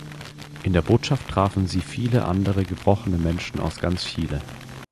In der Botschaft trafen sie viele andere gebrochene Menschen aus ganz Chile.